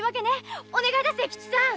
お願いだ清吉さん。